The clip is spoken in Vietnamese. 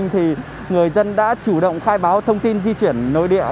thì người dân đã chủ động khai báo thông tin di chuyển nội địa